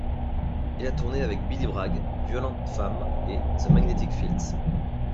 Il a tourné avec Billy Bragg, Violent Femmes et The Magnetic Fields.